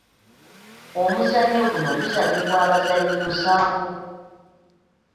Omuzannyo guno guzannyibwa abazannyi musanvu.